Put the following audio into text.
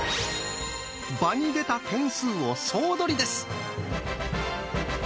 場に出た点数を総取りです。